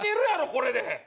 これで。